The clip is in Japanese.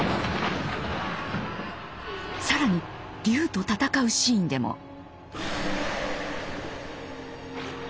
更に龍と戦うシーンでも。